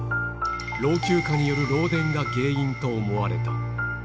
老朽化による漏電が原因と思われた。